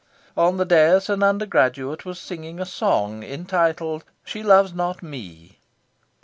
On the dais an undergraduate was singing a song entitled "She Loves Not Me."